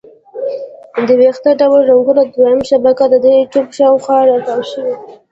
د ویښته ډوله رګونو دویمه شبکه د دې ټیوب شاوخوا را تاو شوي.